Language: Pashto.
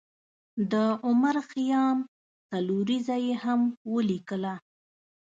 د عمر خیام څلوریځه یې هم ولیکله.